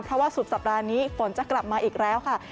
เพราะว่าสุดสัปดาห์นี้ฝนจะกลับมาอีกแล้วค่ะ